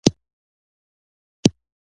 • خلک پر کرنې او تولید بوخت شول.